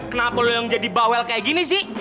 kenapa lo yang jadi bawel kayak gini sih